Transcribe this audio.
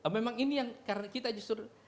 memang ini yang karena kita justru